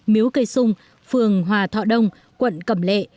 miếu cây xung phường hòa thọ đông quận cầm lệ